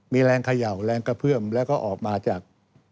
มีแรงเขย่าแรงกระเพื่อมแล้วก็ออกมาจาก